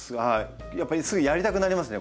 やっぱりすぐやりたくなりますね